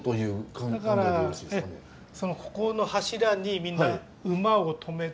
ここの柱にみんな馬を止めて。